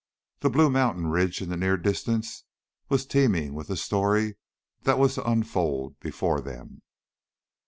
The blue mountain ridge in the near distance was teeming with the story that was to unfold before them.